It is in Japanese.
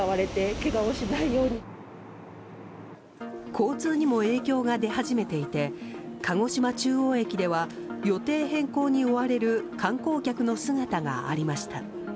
交通にも影響が出始めていて鹿児島中央駅では予定変更に追われる観光客の姿がありました。